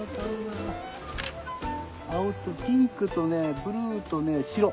あおとピンクとねブルーとね白！